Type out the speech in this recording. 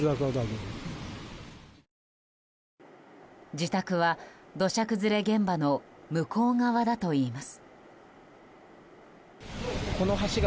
自宅は土砂崩れ現場の向こう側だといいます。